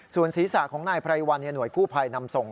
ส่วนศีรษะของนายไพรวัลหน่วยกู้ภัยนำส่ง